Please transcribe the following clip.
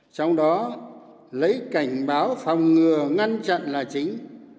trong đó lấy cảnh báo phòng ngừa ngăn chặn là chính